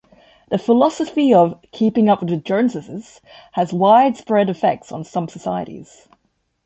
The philosophy of "keeping up with the Joneses" has widespread effects on some societies.